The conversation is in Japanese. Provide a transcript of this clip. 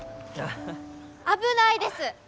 危ないです！